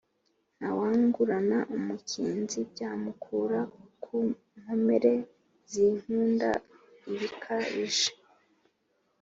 Nta wangurana umukinzi byamukura ku nkomere zinkunda ibikabije,